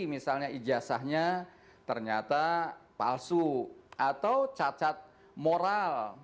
misalnya ijazahnya ternyata palsu atau cacat moral